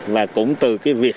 và cũng từ cái việc